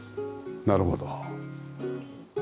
なるほど。